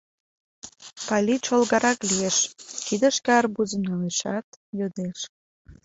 Пали чолгарак лиеш, кидышке арбузым налешат, йодеш: